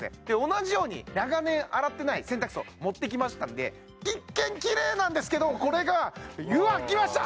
同じように長年洗ってない洗濯槽持ってきましたんで一見キレイなんですけどこれがうわっきました！